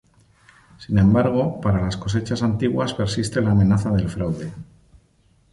Sin embargo, para las cosechas antiguas persiste la amenaza del fraude.